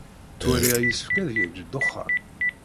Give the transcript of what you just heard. Ttwaliɣ yessefk ad yejj ddexxan.